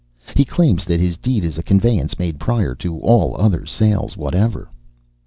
He claims that his deed is a conveyance made previous to all other sales whatever.